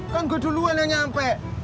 kan gue duluan yang nyampe